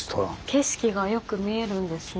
景色がよく見えるんですね。